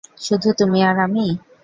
শুধু তুমি আর আমি?